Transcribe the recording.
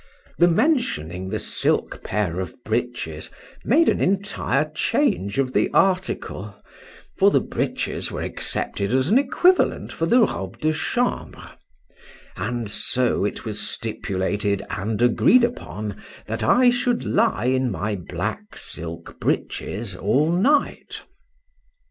The mentioning the silk pair of breeches made an entire change of the article,—for the breeches were accepted as an equivalent for the robe de chambre; and so it was stipulated and agreed upon, that I should lie in my black silk breeches all night.